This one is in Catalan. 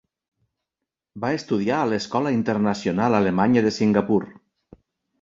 Va estudiar a l'Escola Internacional Alemanya de Singapur.